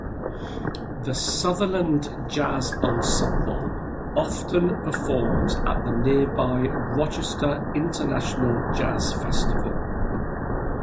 The Sutherland Jazz Ensemble often performs at the nearby Rochester International Jazz Festival.